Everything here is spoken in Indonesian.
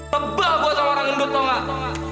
tebal gue sama orang gendut tau gak